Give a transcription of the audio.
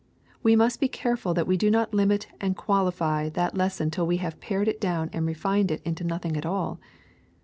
We must be careful that we do not limit and qualify that lesson till we have pared it down and refined it into nothing at all.